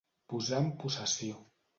Posar en possessió.